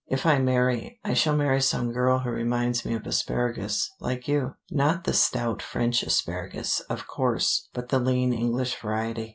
If I marry, I shall marry some girl who reminds me of asparagus, like you. Not the stout French asparagus, of course, but the lean English variety.